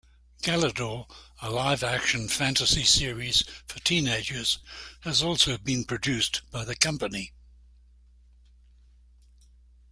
"Galidor", a live-action fantasy series for teenagers, has also been produced by the company.